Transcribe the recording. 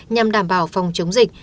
nhằm đảm bảo phòng chống dịch